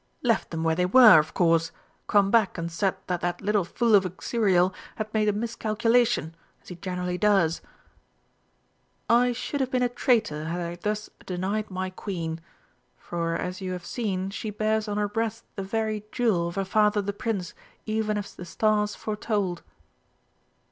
Left them where they were, of course come back and said that that little fool of a Xuriel had made a miscalculation, as he generally does!" "I should have been a traitor had I thus denied my Queen. For, as you have seen, she bears on her breast the very jewel of her father the Prince, even as the stars foretold."